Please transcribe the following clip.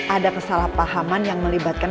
ada kesalahpahaman yang melibatkan